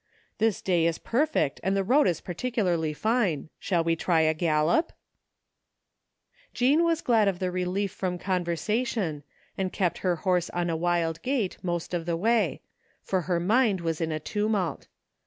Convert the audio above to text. This day is perfect and the road is particularly fine. Shall we try a gallop ?" Jean was glad of the relief from conversation, and kept her horse on a wild gait the most of the way; for her mind was in a tumtdt.